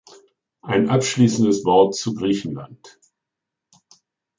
Ein abschließendes Wort zu Griechenland.